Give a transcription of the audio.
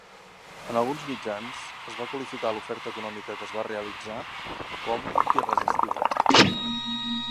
En alguns mitjans es va qualificar l'oferta econòmica que es va realitzar com irresistible.